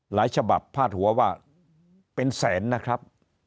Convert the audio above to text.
ฉบับพาดหัวว่าเป็นแสนนะครับ